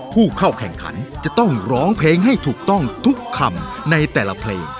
ผู้เข้าแข่งขันจะต้องร้องเพลงให้ถูกต้องทุกคำในแต่ละเพลง